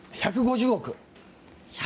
１５０億！